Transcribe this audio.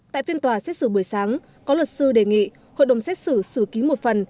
tại phiên tòa xét xử buổi sáng có luật sư đề nghị hội đồng xét xử xử ký một phần